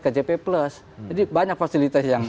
kjp plus jadi banyak fasilitas yang